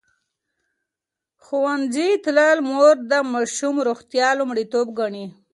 ښوونځې تللې مور د ماشوم روغتیا لومړیتوب ګڼي.